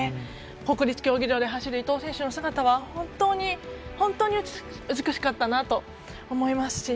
国立競技場で走る伊藤選手の姿は本当に本当に美しかったなと思いますし。